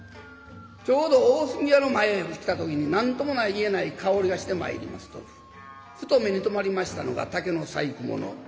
ちょうど大杉屋の前へ来た時に何とも言えない香りがしてまいりますとふと目に留まりましたのが竹の細工物。